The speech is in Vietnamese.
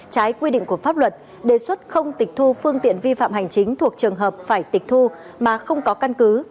trái quy định của pháp luật đề xuất không tịch thu phương tiện vi phạm hành chính thuộc trường hợp phải tịch thu mà không có căn cứ